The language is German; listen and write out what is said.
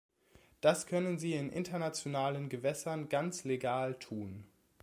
Das können sie in internationalen Gewässern ganz legal tun.